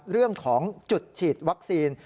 เรื่องของจุดฉีดวัคซีน